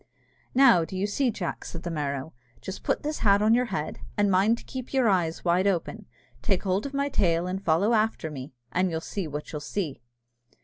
"Now, do you see, Jack," said the Merrow: "just put this hat on your head, and mind to keep your eyes wide open. Take hold of my tail, and follow after me, and you'll see what you'll see."